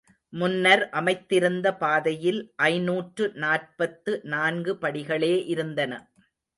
முன்னர் அமைத்திருந்த பாதையில் ஐநூற்று நாற்பத்து நான்கு படிகளே இருந்தன.